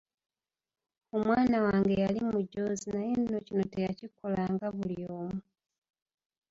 Omwana wange yali mujoozi naye nno kino teyakikolanga buli omu.